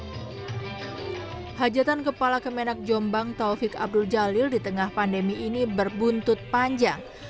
hai hajatan kepala kemenang jombang taufik abdul jalil di tengah pandemi ini berbuntut panjang